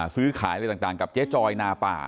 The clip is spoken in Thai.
ซื้อขายอะไรต่างกับเจ๊จอยนาป่า